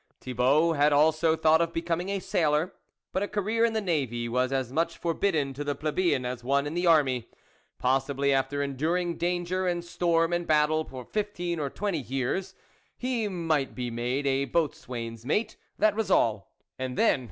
Thibault had also thought of becoming a sailor. But a career in the navy was as much forbidden to the plebeian as one in the army. Possibly after enduring danger, and storm and battle for fifteen or twenty years, he might be made a boatswain's mate, that was all, and then